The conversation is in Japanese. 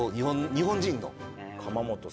日本人の。